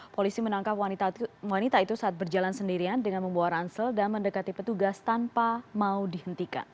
polisi menangkap wanita itu saat berjalan sendirian dengan membawa ransel dan mendekati petugas tanpa mau dihentikan